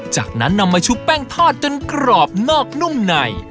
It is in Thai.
จากนั้นนำมาชุบแป้งทอดจนกรอบนอกนุ่มใน